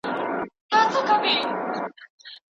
غوره پایلي یوازي مستحقو ته نه سي ښودل کېدلای.